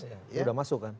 sudah masuk kan